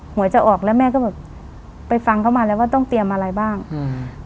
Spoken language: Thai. วยจะออกแล้วแม่ก็แบบไปฟังเขามาแล้วว่าต้องเตรียมอะไรบ้างอืม